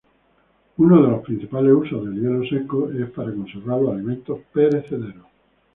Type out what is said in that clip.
Uno de los principales usos del hielo seco es para conservar los alimentos perecederos.